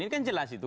ini kan jelas itu